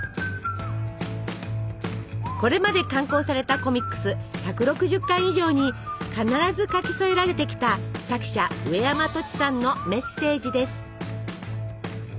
これまで刊行されたコミックス１６０巻以上に必ず書き添えられてきた作者うえやまとちさんのメッセージです。